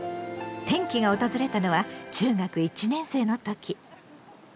転機が訪れたのは中学１年生の時。